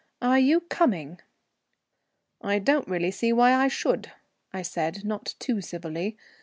"Are you coming?" "I don't really see why I should," I said, not too civilly.